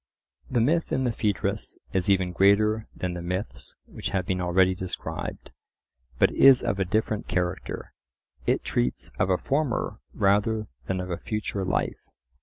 The myth in the Phaedrus is even greater than the myths which have been already described, but is of a different character. It treats of a former rather than of a future life.